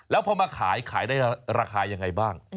แล้วพอมาขายขายได้ราคายังไงบ้าง